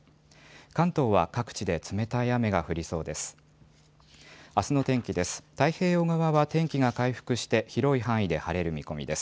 関東は各地で冷たい雨が降りそうです。